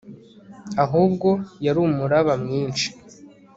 ahubwo, yari umuraba mwinshi